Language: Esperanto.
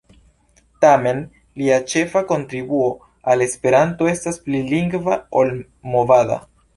Tamen, lia ĉefa kontribuo al Esperanto estas pli lingva ol movada.